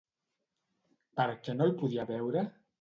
Per què no el podia veure?